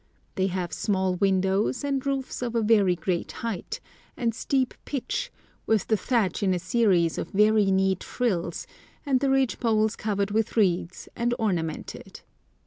They have small windows, and roofs of a very great height, and steep pitch, with the thatch in a series of very neat frills, and the ridge poles covered with reeds, and ornamented.